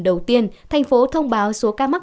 đầu tiên thành phố thông báo số ca mắc